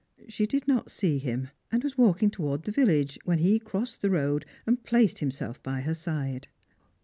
She did not see him, and was walking towards the village, when he crossed the road and placed him self by her side.